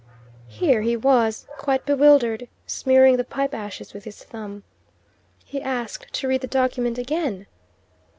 Here he was, quite bewildered, smearing the pipe ashes with his thumb. He asked to read the document again.